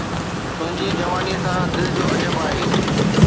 تنهنجي جوانيءَ سان دل جو عجب آهي